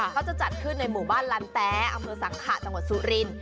เขาจะจัดขึ้นในหมู่บ้านลันแต๊อำเภอสังขะจังหวัดสุริน